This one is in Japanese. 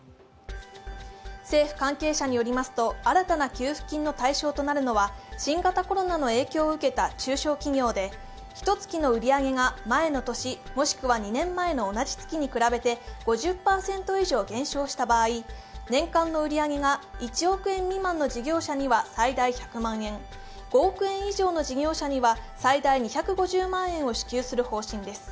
政府関係者によりますと、新たな給付金の対象となるのは新型コロナの影響を受けた中小企業でひと月の売り上げが前の年もしくは２年前の同じ月に比べて５０％以上減少した場合、年間の売り上げが１億円未満の事業者には最大１００万円、５億円以上の事業者には最大２５０万円を支給する方針です。